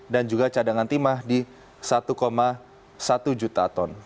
dan juga cadangan timah di satu satu juta ton